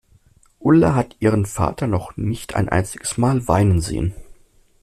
Ulla hat ihren Vater noch nicht ein einziges Mal weinen sehen.